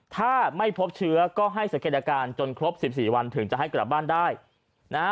ถ้าไม่พบเชื้อก็ให้สังเกตอาการจนครบสิบสี่วันถึงจะให้กลับบ้านได้นะฮะ